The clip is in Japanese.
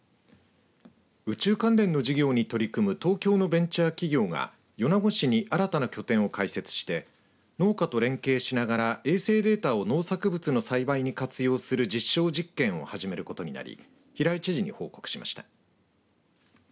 宇宙関連の事業に取り組む東京のベンチャー企業が米子市に新たな拠点を開設して農家と連携しながら衛星データを農作物の栽培に活用する実証実験を始めることになり平井知事に報告しました。